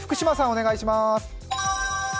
お願いします。